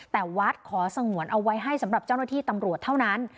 แต่วัดขอสงวนเอาไว้ให้สำหรับเจ้าหน้าที่ตำรวจเท่านั้น